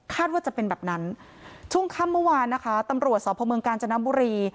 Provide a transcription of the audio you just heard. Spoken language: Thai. ว่าจะเป็นแบบนั้นช่วงค่ำเมื่อวานนะคะตำรวจสพเมืองกาญจนบุรี